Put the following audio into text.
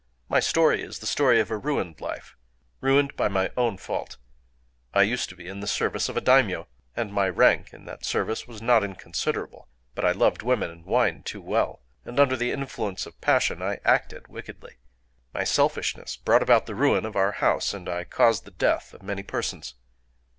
My story is the story of a ruined life—ruined by my own fault. I used to be in the service of a daimyō; and my rank in that service was not inconsiderable. But I loved women and wine too well; and under the influence of passion I acted wickedly. My selfishness brought about the ruin of our house, and caused the death of many persons.